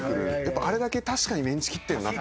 あれだけ確かにメンチ切ってるなって。